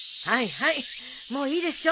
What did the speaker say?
はいもういいでしょ。